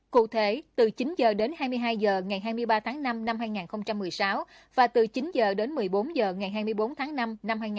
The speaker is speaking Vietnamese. cụ thể từ chín h đến hai mươi hai h ngày hai mươi ba tháng năm năm hai nghìn một mươi sáu và từ chín h đến một mươi bốn h ngày hai mươi bốn tháng năm năm hai nghìn một mươi chín